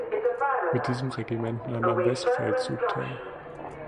Mit diesem Regiment nahm er am Westfeldzug teil.